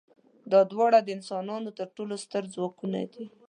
دا دواړه د انسان تر ټولو ستر ځواکونه دي.